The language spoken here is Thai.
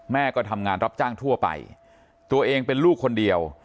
แม่ก็ทำงานรับจ้างทั่วไปตัวเองเป็นลูกคนเดียว